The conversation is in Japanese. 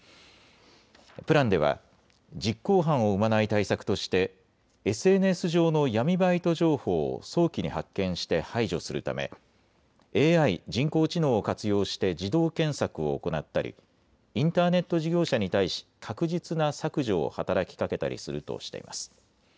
プランでは実行犯を生まない対策としてＳＮＳ上の闇バイト情報を早期に発見して排除するためＡＩ・人工知能を活用して自動検索を行ったり、インターネット事業者に対し確実な削除を働きかけたりするとしています。